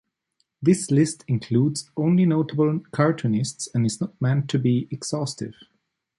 This list includes only notable cartoonists and is not meant to be exhaustive.